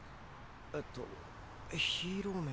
えっとヒーロー名。